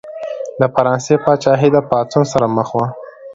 د فرانسې پاچاهي د پاڅون سره مخ وه.